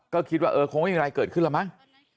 ก็คิดว่าเออคงไม่มีอะไรเกิดขึ้นแล้วมั้ง